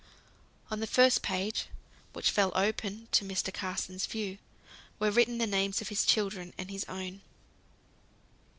On the first page (which fell open to Mr. Carson's view) were written the names of his children, and his own.